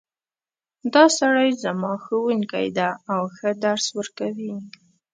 دا سړی زما ښوونکی ده او ښه درس ورکوی